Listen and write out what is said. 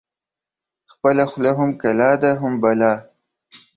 خپله خوله هم کلا ده هم بلا.